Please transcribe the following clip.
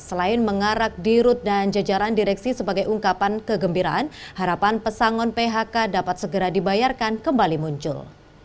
selain mengarak dirut dan jajaran direksi sebagai ungkapan kegembiraan harapan pesangon phk dapat segera dibayarkan kembali muncul